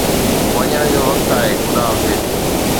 وڃڻ جو وقت آهي، خدا حافظ